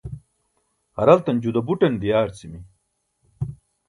haraltan juda buṭan diyaarcimi